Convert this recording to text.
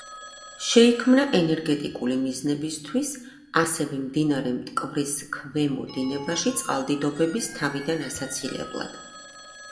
შეიქმნა ენერგეტიკული მიზნებისათვის, ასევე მდინარე მტკვრის ქვემო დინებაში წყალდიდობის თავიდან ასაცილებლად.